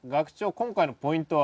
今回のポイントは？